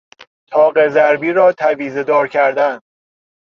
تاق ضربی را تویزهدار کردن